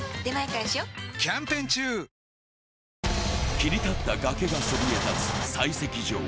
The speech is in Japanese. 切り立った崖がそびえ立つ採石場。